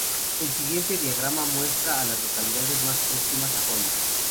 El siguiente diagrama muestra a las localidades más próximas a Hollis.